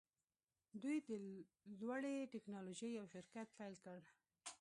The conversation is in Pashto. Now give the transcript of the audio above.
دوی د لوړې ټیکنالوژۍ یو شرکت پیل کړ